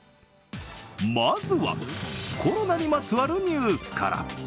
まずはコロナに関するニュースから。